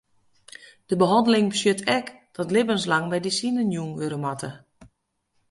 De behanneling betsjut ek dat libbenslang medisinen jûn wurde moatte.